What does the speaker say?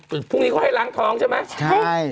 พรุ่งนี้เขาให้ล้างท้องใช่ไหมใช่